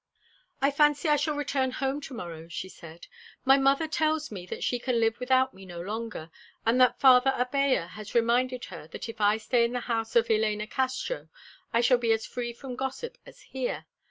"I fancy I shall return home to morrow," she said. "My mother tells me that she can live without me no longer, and that Father Abella has reminded her that if I stay in the house of Elena Castro I shall be as free from gossip as here.